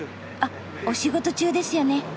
あっお仕事中ですよね。